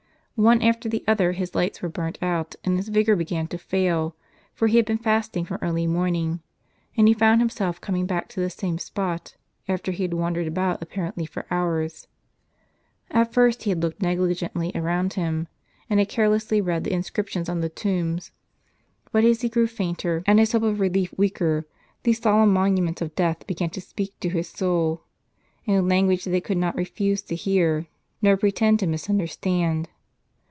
One after the other his lights were burnt out, and his vigor began to fail, for he had been fasting from early morning; and he found himself coming back to the same spot, after he had wandered about apparently for hours. At first he had looked negligently around him, and had carelessly read the inscriptions on the tombs. But as he grew fainter, and his hope of relief weaker, these solemn monu ments of death began to speak to his soul, in a language that it could not refuse to hear, nor pretend to misunderstand.